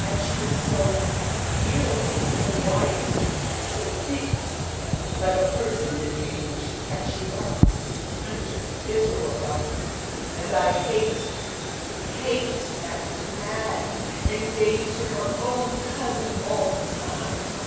And she looks so ill so white, so fixed like a person in a dream which she can't shake off. I'm just miserable about her. And I hate, hate that man engaged to her own cousin all the time!"